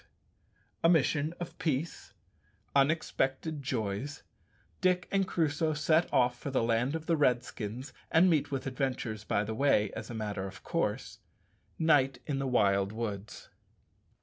_A mission of peace Unexpected joys Dick and Crusoe set off for the land of the Redskins, and meet with adventures by the way as a matter of course Night in the wild woods_.